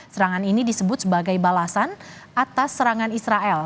serangan ini disebut sebagai balasan atas serangan israel